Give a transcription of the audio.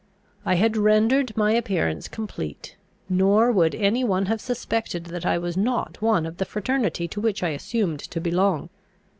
I had rendered my appearance complete; nor would any one have suspected that I was not one of the fraternity to which I assumed to belong.